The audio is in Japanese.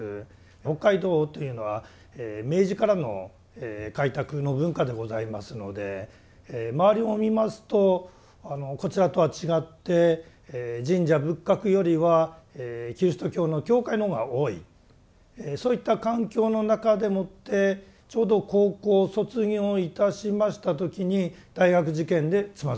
北海道というのは明治からの開拓の文化でございますので周りを見ますとこちらとは違って神社仏閣よりはキリスト教の教会のほうが多いそういった環境の中でもってちょうど高校を卒業いたしました時に大学受験でつまずきます。